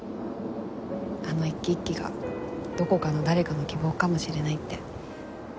あの一機一機がどこかの誰かの希望かもしれないって。